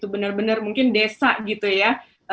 benar benar mungkin desa gitu ya